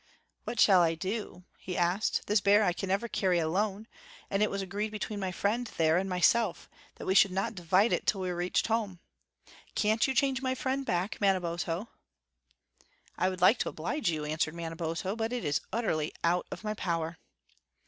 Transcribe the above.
"What shall I do?" he asked. "This bear I can never carry alone, and it was agreed between my friend there and myself, that we should not divide it till we reached home. Can't you change my friend hack, Manabozho?" "I would like to oblige you," answered Manabozho, "but it is utterly out of my power."